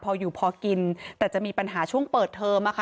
พออยู่พอกินแต่จะมีปัญหาช่วงเปิดเทอมอะค่ะ